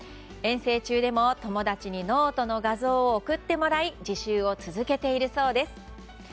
遠征中でも友達にノートの画像を送ってもらい自習を続けているそうです。